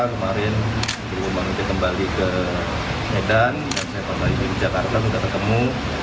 kemarin bang ijek kembali ke medan dan saya kembali ke jakarta untuk ketemu